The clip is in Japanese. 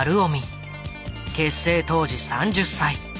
結成当時３０歳。